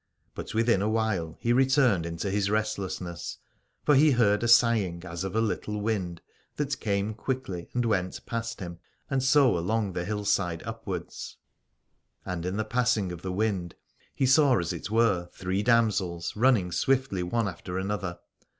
But within a while he returned into his rest lessness : for he heard a sighing as of a little wind that came quickly and went past him and so along the hillside upwards. And in the passing of the wind he saw as it were three damsels running swiftly one after another.